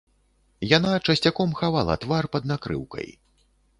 Яна часцяком хавала твар пад накрыўкай.